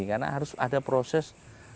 karena harus ada proses